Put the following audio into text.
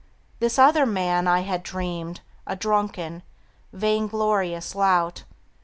This other man I had dreamed A drunken, vain glorious lout.